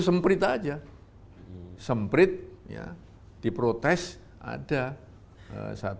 tidak ada yang bisa